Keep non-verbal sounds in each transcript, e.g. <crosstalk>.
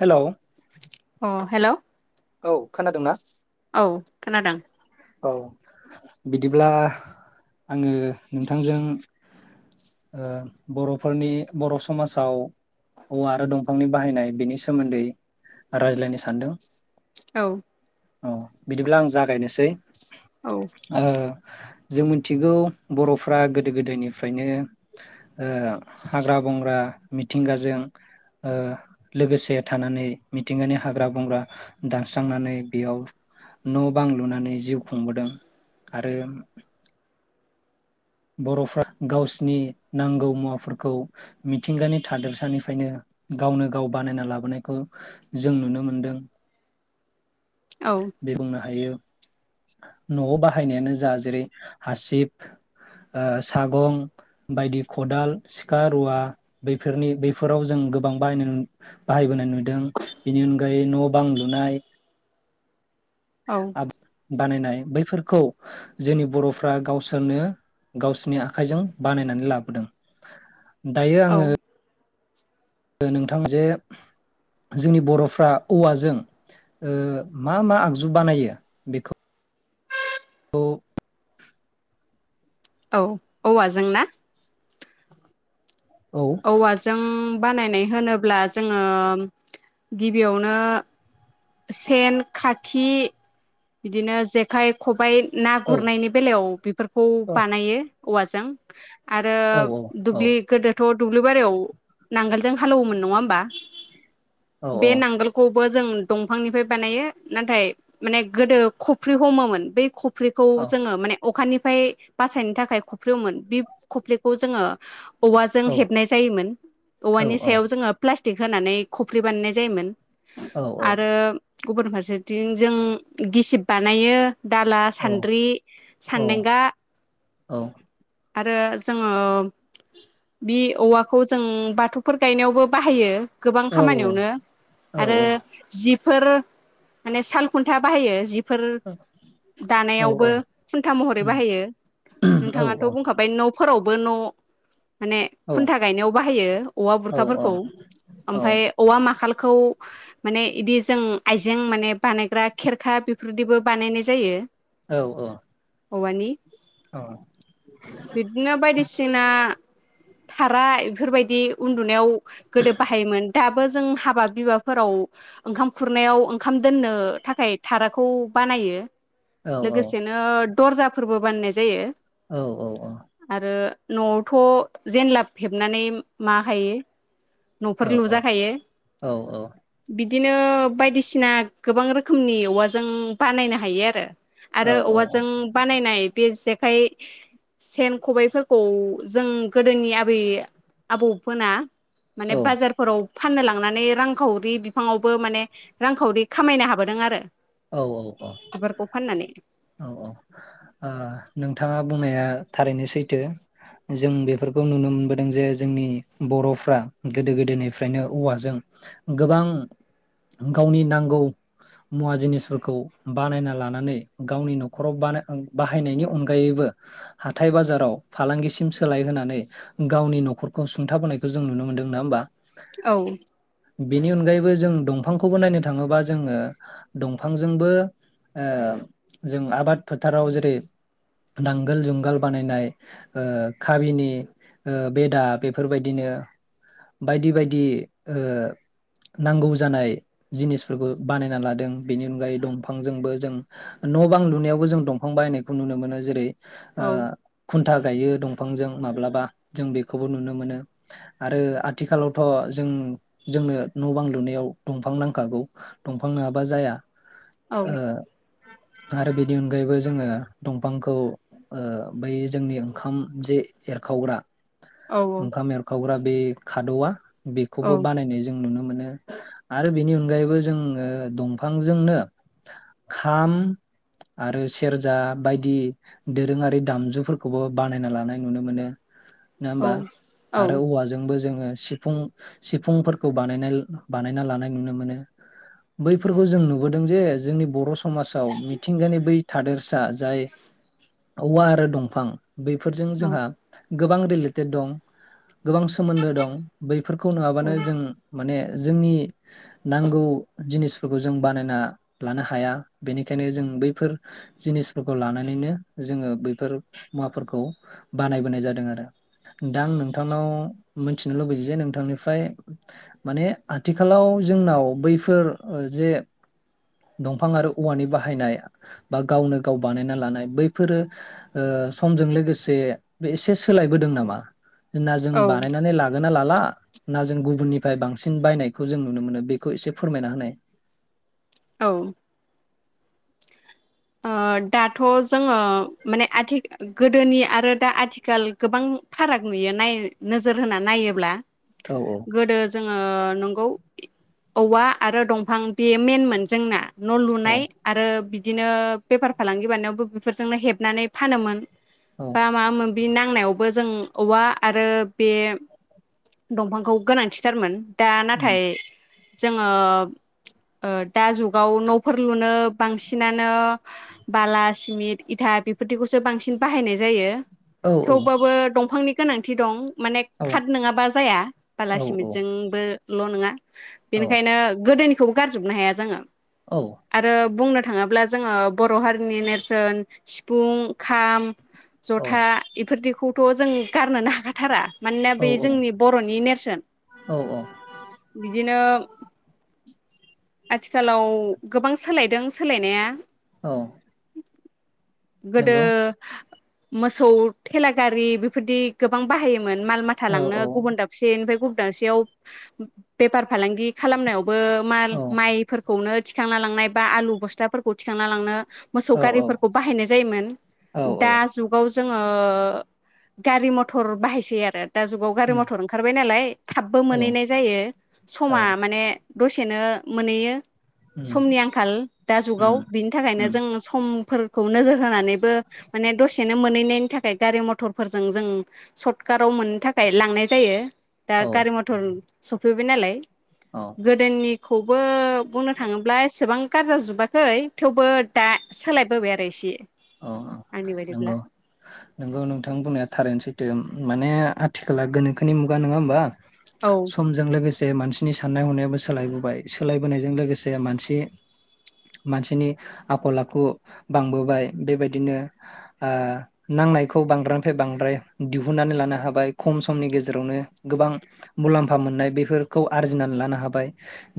Hello, अ hello औ औ खोनादोंना? खोनादों। औ बिदिब्ला। आंङो नोंथांजों ओ बर'फोरनि बर' समाजाव औवा आरो दंफांनि बाहायनाय बेनि सोमोन्दै रायज्लायनो सानदों। औ औ बिदिब्ला आं जागायनोसै औ ओ जों मिथिगौ बरफ्रा गोदो गोदायनिफ्रायनो ओ हाग्रा बंग्रा मिथिंगाजों ओ लोगोसे थानानै मिथिंगानि हाग्रा बंग्रा दानस्रांनानै बेयाव न बां लुनानै जिउ खुंबोदों आरो बरफ्रा गावसिनि नांगौ मुवाफोरखौ मिथिंगानि थादोरसानिफ्रायनो गावनो गाव बानायना लाबोनायखौ जों नुनो मोनदों। औ दे बुंनो हायो। न'आव बाहायनायानो जा जेरै हासिब ओ सागं बायदि खदाल, सिखा, रुवा बैफोरनि बैफोराव जों गोबां बाहाय बाहायबोनाय नुदों बेनि अनगायै न' बां लुनाय औ आब बानायनाय बैफोरखौ जोंनि बर'फ्रा गावसोरनो गावसोरनि आखाइजों बानायनानै लाबोदों। दायो औ आंङो नोंथां जे जोंनि बर'फ्रा औवाजों ओ मा मा आगजु बानायो बेखौ औ औवाजों ना? औवाजों। बानायनाय होनोब्ला जोङो गिबियावनो सेन खाखि बिदिनो जेखाइ खबाइ ना औ गुरनायनि बेलायाव बेफोरखौ औ बानायो औवाजों। आरो औ औ दुब्लि गोदोथ दुब दुब्लिबारियाव नांगोलजों हालेवोमोन नङा होमबा। औ बे नांगोलखौबो जों दंफांनिफ्राय बानायो नाथाय माने गोदो खफ्रि हमोमोन बै ख फ्रिखौ औ जोङो माने अखानिफ फ्राय बासायनो थाखाय <unintelligible> जोङो। औवाजों औ हेबनाय जायोमोन औ औवानि सायाव जोङो प्लास्टिक थिग होनानै खफ्रि बानायनाय जायोमोन। औ औ आरो गुबुन फारसेथिं जों गिसिब बानायो, दाला, सान्द्रि, सान्दांगा आरो जोङो बि औवाखौ जों बाथौफोर गायनायावबो बाहायो। गोबां खामानियावनो आरो जिफोर माने साल खुन्था बाहायो जि बेफोर दानायावबो खुन्था महरै बाहायो नोंथाङाथ' बुंखाबाय न'फोराव, बोन न' माने खुन्था गायनायाव बाहायो औवा बुरखाफोरखौ ओमफ्राय औवा माखाला खौ माने इदि जों आइजें माने बानायग्रा खेरखा बेफोरदिबो बानायनाय जायो। औ औ औवानि बिब्दिनो बायदिसिना थारा बेफोरबायदि उन्दुनायाव गोदो बाहायोमोन दाबो जों हाबा बिबाफोराव ओंखाम खुरनायाव ओंखाम दोननो थाखाय थाराखौ बानायो, लोगोसेनो दर्जा फोरबो बाननाय जायो, औ औ औ। आरो न'आवथ' जेनला हेबनानै माहायो, न'फोर लुजाखायो बिदिनो बायदिसिना गोबां रोखोमनि औवाजों बानायनो हायो आरो आरो औ औवाजों बानायनाय बे जेक ओमफ्राय सेन खबायफोरखौ जों गोदोनि आबै आबौमोना, माने औ बाजारफोराव फाननो लांनानै रांखावरि फाङावबो माने रां औ औ औ औ औ आ नोंथाङा बुंनाया, थारैनो सैथो जों बेफोरखौ नुनो मोनबोदों जे जोंनि बर'फ्रा गोदो गोदोनिफ्रायनो औवाजों गोबां गावनि नांगौ मुवा जिनिस फोरखौ बानायना लानानै गावनि नखराव बानाय बाहायनायनि अनगायैबो हाथाय बाजाराव फालांगिसिम सोलाय होनानै गावनि नखरखौ सुंथाबोनायखौ जों नुनो मोनदों नङा होमबा? औ। बेनि अनगायैबो जों दंफांखौबो नायनो थाङोबा जोङो दं फांजोंबो ओ जों आबाद फोथाराव जेरै नांगोल जुंगाल बानायनाय ओ काबिनि ओ बेदा बेफोरबायदिनो बायदि बायदि नांगौ जानाय जिनिसफोरखौ बानायना लादों बेनि अनगायै दंफांजोंबो जों न' बां लुनायावबो जों दंफां बाहायनायखौ नुनो मोनो। जेरै ओ औ खुन था गायो दंफांजों माब्लाबा जों बेखौबो नुनो मोनो। आरो आथिखालावथ' जों-जोंनो न' बां लुनायाव दंफां नांखागौ दंफां नङाबा जाया। औ ओ आरो बेनि अनगायैबो जोङो दंफांखौ ओ बै जोंनि ओंखाम जे एरखावग्रा औ ओंखाम एरखावग्रा बे खादौवा औ बेखौबो बानायनाय जों नुनो मोनो आरो बेनि अनगायैबो जोङो दं फांजोंनो खाम आरो सेरजा बायदि दोरोङारि दामजुफोरखौबो बानायना लानाय नुनो मोनो नो होनबा? औ औ आरो औवाजोंबो जोङो सिफुं-सिफुंफोरखौ बानाय-बानायना लानाय नुनो मोनो बै फोरखौ जों नुबोदों जे जोंनि बर' स मासाव मिथिंगानि बै थादेरसा जाय औवा आरो दंफां बेफोरजों जोंहा गोबां रिलेटेड दं गोबां सोमोन्दो दं बै फोरखौ नुवाबानो औ जों माने जोंनि नांगौ जिनिस फोरखौ जों बानायना लानो हाया बेनिखायनो जों बैफोर जिनिसफोरखौ लानानैनो जोङो बैफोर मुवाफोरखौ बानायबोनाय जादों आरो। दा आं नोंथांनाव मोनथिनो लुबैयो जे नोंथांनिफ्राय माने आथिखालाव जोंनाव बैफोर ओ जे दंफां आरो औवानि बाहायनाय बा गावनो गाव बानायना लानाय बैफोरो ओ समजों लोगोसे बे एसे सोलायबोदों नामा? होनना जों औ बानायनानै लागोन ना लाला ना जों गुबुननिफ्राय बांसिन बायनायखौ जों नुनो मोनो बेखौ एसे फोरमायना होनाय। औ। ओ दाथ' जोङो माने आथिखा गोदोनि आरो दा आथिखाल गोबां फाराग नुयो नाय नोजोर होनानै नायोब्ला। औ गोदो जोङो नंगौ औवा आरो दंफां बेयो मेनमोन जोंना। न औ लुनाय आरो नो बेफार फालांगि बानायनायावबो बेफोरजोंनो हेबनानै फानोमोन। औ <unintelligible> बे नांनायावबो जों औवा आरो बे दंफांखौ गोनांथिथारमोन। दा उम नाथाय जोङो ओ दा जुगाव नफोर लुनो बांसि नो बाला सिमिट इथा बेफोर थिखौसो बांसिन बाहायनाय जायो औ थेवबाबो दंफांनि गोनांथि दं। माने औ खाट नोङाबा जाया औ बाला औ सिमेटजों बो ल नोङा औ बेनिखायनो गोदोनि खौ गारजोबनो हाया जोङो औ आरो बुंनो थाङोब्ला जोङो बर' हारिनि नेरसोन सिफुं खाम जथा इफोरदि खौथ जों गारनोनो हाखाथारा मानोना औ बे जोंनि बर'नि नेरसोन औ औ बिदिनो आथिखालाव गोबां सोलायदों सोलायनाया औ गोदो नंगौ मोसौ थेला गारि बेफोरदि गोबां बाहायो मोन माल माथा औ लांनो गुबुन दाबसेनिफाय गु दाबसेयाव बेफार फालांगि खालामनायावबो औ माइफोरखौनो थिखांना लांनाय बा आलु बस्थाफोरखौ थिखांना लांनो औ मोसौ गारिफोरखौ बाहायनाय जायोमोन औ दा जुगाव जोङो ओ गारि मथर बाहायसै आरो दा जुगाव गारि उम मथर ओंखारबाय नालाय थाबबो औ मोनहैनाय जायो समा औ माने दसेनो मोनैयो उम समनि आंखाल दा जुगाव उम बिनि थाखायनो उम जों समफोर खौ नोजोर होनानैबो माने दसेनो मोनहैनायनि थाखाय गारि मथरफोरजों जों सटकाराव मोननो थाखाय लांनाय जायो दा औ गारि मटर सब फैबाय नालाय औ गोदोनि खौबो बुंनो थाङोब्ला एसेबां कार जाजोबाखै थेवबो दा सोलायबोबाय आरो एसे औ औ आंनि बायदिब्ला नंगौ नंगौ नोंथां बुंनाया थारैनो सैथो माने आथिखाला गोनोखोनि मुगा नङा होमबा औ समजों लोगोसे मानसिनि साननाय हनायाबो सोलायबोबाय सोलायबोनायजों लोगोसे मानसि मानसिनि आखल आखु बांबोबाय। बेबायदिनो ओ नांनायखौ बांद्रायानिफ्राय बांद्राय दिहुननानै लानो हाबाय खम समनि गेजेरावनो गोबां मुलाम्फा मोननाय बेफोरखौ आरजिनानै लानो हाबाय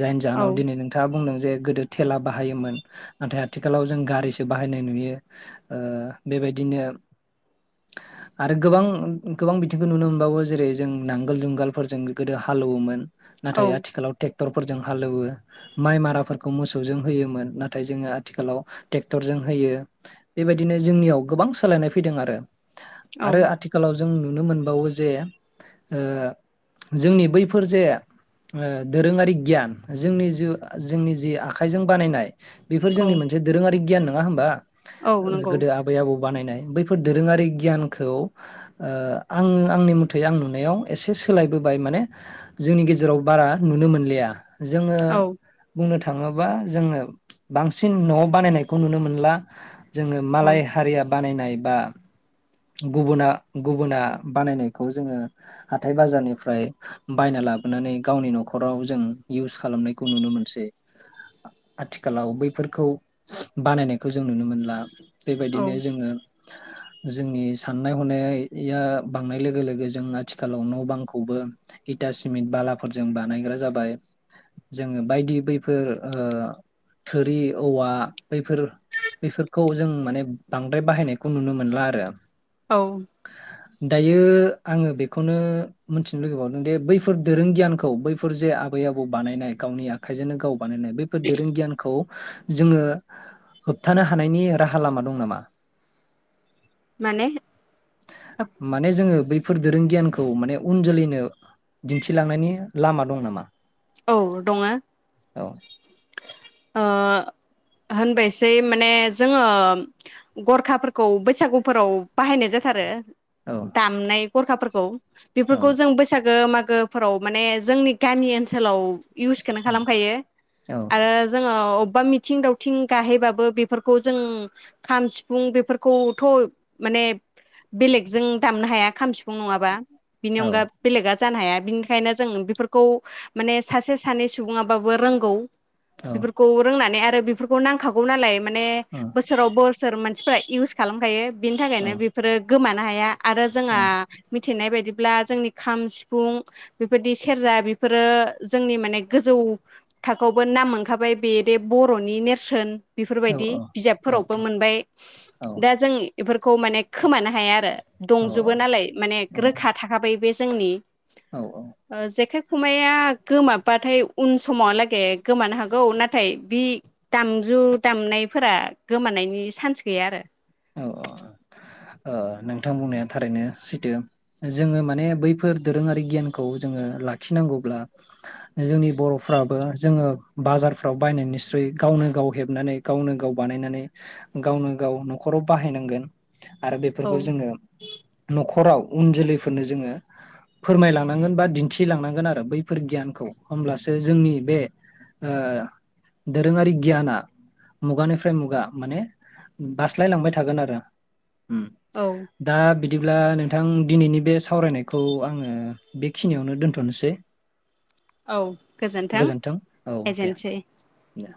जायनि जाहोनाव औ दिन नोंथाङा बुंदों जे गोदो थेला बाहायोमोन नाथाय आथिखालाव जों गारिसो बाहायनाय नुयो। ओ बेबायदिनो आरो गोबां गोबां बिथिंखौ नुनो मोनबावो जेरै जों नांगोल जुंगालफोरजों गोदो हालेवोमोन। औ नाथाय आथिखालाव टेक टरफोरजों हालेवो माइ माराफोरखौ मोसौजों होयोमोन नाथाय जोङो आथिखालाव टेक्टरजों होयो। बेबायदिनो जोंनियाव गोबां सोलायनाय फैदों आरो औ आरो आथिखालाव जों नुनो मोनबावो जे ओ जोंनि बैफोर जे ओ दोरोङारि गियान जोंनि जि जोंनि जि आखाइजों बानायनाय बेफोर औ जोंनि मोनसे दोरोङारि गियान ना न होमबा औ नंगौ गोदो आबै आबौ बानायनाय बैफोर दोरोङारि गियानखौ ओ आङो आंनि मथै आं नुनायाव एसे सोलायबोबाय माने जोंनि गेजेराव बारा नुनो मोनलिया। जोङो औ बुंनो थ थाङोबा जोङो बांसिन न' बानायनायखौ नुनो मोनला, जोंङो औ मालाय हारिया बानायनाय बा गुबुना गुबुना बानायनायखौ जोङो हाथाय बाजारनिफ्राय बायना लाबोनानै गावनि नखराव जों इउस खालामनायखौ नुनो मोनसै आथिखालाव बैफोरखौ बानायनायखौ जों नुनो मोनला औ बेबायदिनो जोङो। जोंनि साननाय हनायया बांनाय लोगो लोगो जों आथिखालाव न' बांखौबो इटा सिमेन्ट बालाफोरजों बानायग्रा जाबाय। जोंङो बायदि बैफोर ओ थोरि औवा बैफोर बैफोरखौ जों माने बांद्राय बाहायनायखौ नुनो मोनला आरो। जायाब औ दायो आंङो बेखौनो मोनथिनो लुबैबावदों दिे बैफोर दोरों गियानखौ बैफोर जे आबै आबौ बानायनाय गावनि आखाइजोंनो गाव बानायनाय बेफोर दोरोंगियानखौ जोङो होबथानो हानायनि राहा लामा दं नामा? माने माने जोङो बै बेफोर दोरों गियानखौ माने उन जोलैनो दिन्थिलांनायनि लामा दं नामा औ दङ औ ओ होनबायसै माने जोङो गरखाफोरखौ बैसागुफोराव बाहायनाय जाथारो औ दामनाय गरखाफोरखौ औ बेफोरखौ जों बैसागो माग गोह फोराव माने जोंनि गामि ओनस <unintelligible> इउसखोनो खालामखायो आरो जोङो ओब बा मिथिं दावथिं गाहेबाबो बेफोरखौ जों खाम सिफुं बेफोरखौथ माने बेलेगजों दामनो हाया खाम सिफुं नङाबा बिनि औ अनगा बेलेगआ। जानो हाया बिनिखायनो जों बिफोरखौ हो। माने सासे सानै सुबुङाबाबो रोंगौ। औ बेफोरखौ रोंनानै आद <unintelligible> बेफोरखौ नांखागौ नालाय। माने बोसोराव बोसोर मान फ्राय इउस खालामखायो बिनि औ थाखायनो बिफोरो गोमानो हाया। आरो औ जोंङा मिथिनाय बायदिब ब्ला जोंनि खाम सिफुं बेफोरदि सेरजा बेफोर रो जोंनि माने गोजौ थाखोआवबो नाम मोनखाबाय बेदे बरनि नेरसोन। बिफोरबायदि औ बिजाबफोरावबो मोनबाय दा जोंनि बेफोरखौ माने खोमानो हाया आरो। औ दंजोबो नालाय माने गोरोखा थाखाबाय बे जोंनि। औ ओ जेखेब खमाया गोमाबाथाय उन समावआलागे गोमानो हागौ नाथाय बि दामजु दामनायफोरा गोमानायनि सान्स गैया आरो। औ औ ओ नोंथां बुंनाया थारैनो सैथो जोङो माने बैफोर दोरोङारि गियानखौ जोङो लाखिनांगौब्ला जोंनि बरफ्राबो जोङो बाजारफ्राव बायनाय निस्रुय गावनो गाव हेबनानै गावनो गाव बानायनानै गावनो गाव न खराव बाहायनांगोन। आरो औ बेफोरखौ जोङो नखराव उन जोलैफोरनो जोङो फोरमायलांनांगोन बा दिन्थिलांनांगोन आरो बैफोर गियानखौ होमब्लासो जोंनि बे ओ दोरोंङारि गियाना मुगानिफ्राय मुगा माने उम बास्लाय लांबाय थागोन आरो। उम औ दा बिद दिब्ला नोंथां दिनैनि बे सावरायनायखौ आङो बेखिनियावनो दोन्थनोसै। औ गोजोन्थों औ दे एजेन्सै। दे।